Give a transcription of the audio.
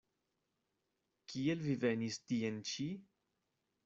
Kiel vi venis tien-ĉi?